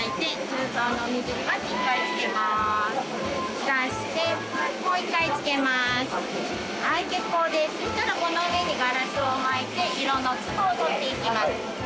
そしたらこの上にガラスを巻いて色の粒を取っていきます。